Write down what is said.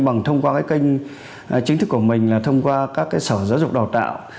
bằng thông qua cái kênh chính thức của mình là thông qua các cái sở giáo dục đào tạo